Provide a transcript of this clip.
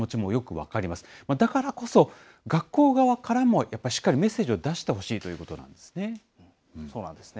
だからこそ、学校側からも、やっぱりしっかりメッセージを出してほしいということなんですね。